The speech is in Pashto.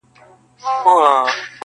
چي بیا به څه ډول حالت وي، د ملنگ.